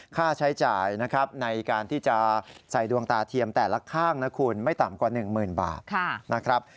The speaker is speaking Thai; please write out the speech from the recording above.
ค่าใช้จ่ายนะครับในการที่จะใส่ดวงตาเทียมแต่ละข้างนะคุณไม่ต่ำกว่า๑๐๐๐บาทนะครับ